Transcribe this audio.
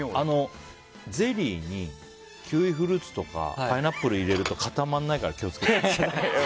ゼリーにキウイフルーツとかパイナップル入れると固まらないから気を付けて。